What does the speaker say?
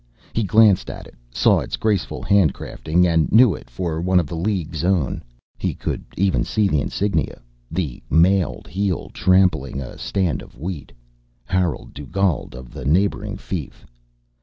He glanced at it, saw its graceful handcrafting, and knew it for one of the League's own. He could even see the insigne; the mailed heel trampling a stand of wheat; Harolde Dugald, of the neighboring fief.